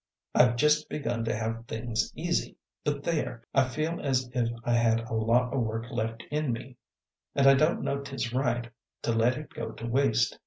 I've just begun to have things easy; but there, I feel as if I had a lot o' work left in me, an' I don't know's 't is right to let it go to waste.